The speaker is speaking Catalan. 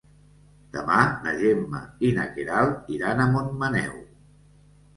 Demà na Gemma i na Queralt iran a Montmaneu.